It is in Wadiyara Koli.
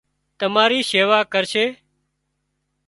تماري شيوا ڪرشي